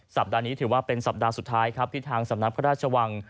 สัปดาห์นี้ถือว่าเป็นสัปดาห์สุดท้ายครับที่ทางสำนักพระราชวัง